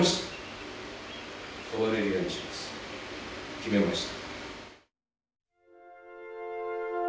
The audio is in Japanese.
決めました。